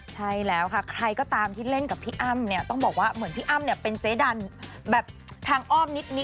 ใช่แล้วค่ะใครก็ตามที่เล่นกับพี่อ้ำเนี่ยต้องบอกว่าเหมือนพี่อ้ำเนี่ยเป็นเจ๊ดันแบบทางอ้อมนิด